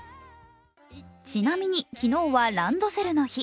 ちなみに昨日はランドセルの日。